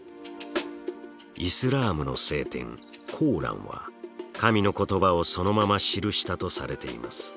イスラームの聖典「コーラン」は神の言葉をそのまま記したとされています。